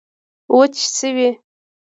وچي شوې